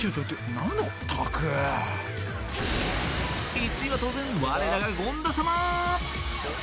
１位は当然、我らが権田様！